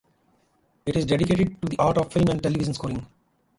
It is dedicated to the art of film and television scoring.